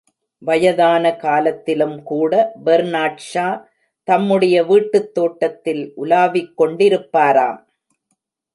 வயதான காலத்திலும் கூட பெர்னார்ட்ஷா, தம்முடைய வீட்டுத் தோட்டத்தில் உலாவிக் கொண்டிருப்பாராம்.